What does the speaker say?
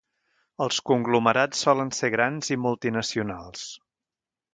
Els conglomerats solen ser grans i multinacionals.